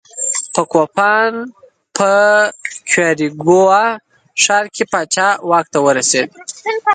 په کوپان په کیوریګوا ښار کې پاچا واک ته ورسېد.